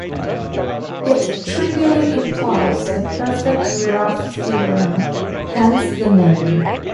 It trivially implies the perfect graph theorem, hence the name.